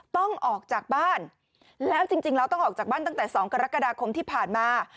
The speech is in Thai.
ต้องออกจากบ้านแล้วจริงแล้วต้องออกจากบ้านตั้งแต่๒กรกฎาคมที่ผ่านมา